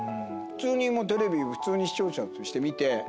急にもうテレビ普通に視聴者として見て。